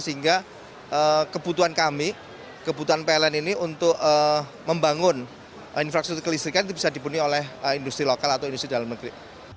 sehingga kebutuhan kami kebutuhan pln ini untuk membangun infrastruktur kelistrikan itu bisa dipenuhi oleh industri lokal atau industri dalam negeri